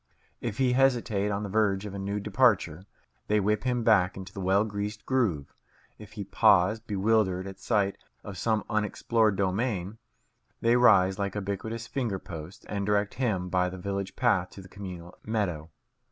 If he hesitate on the verge of a new departure, they whip him back into the well greased groove; if he pause, bewildered, at sight of some unexplored domain, they rise like ubiquitous finger posts and direct him by the village path to the communal meadow.